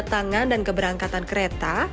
kedatangan dan keberangkatan kereta